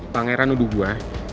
pangeran nuduh gue